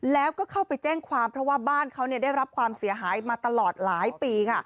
แล้วก็เข้าไปแจ้งความเพราะว่าบ้านเขาได้รับความเสียหายมาตลอดหลายปีค่ะ